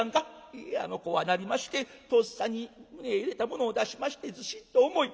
「いいえ怖なりましてとっさに胸へ入れたものを出しましてずしっと重い。